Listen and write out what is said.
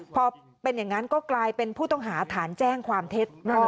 พอเป็นอย่างนั้นก็กลายเป็นผู้ต้องหาฐานแจ้งความเท็จ